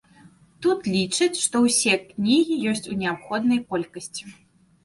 Тут лічаць, што ўсе кнігі ёсць у неабходнай колькасці.